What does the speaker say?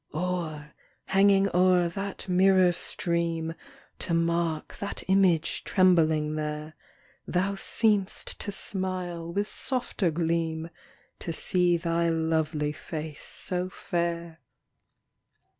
Or, hanging o'er that mirror stream, To mark that image trembling there, Thou seem'st to smile with softer gleam, To see thy lovely face so fair.